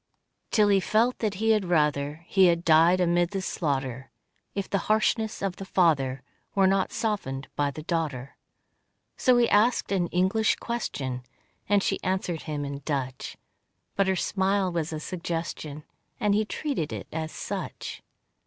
Till he felt that he had rather He had died amid the slaughter, If the harshness of the father Were not softened in the daughter. So he asked an English question, And she answered him in Dutch, But her smile was a suggestion, And he treated it as such.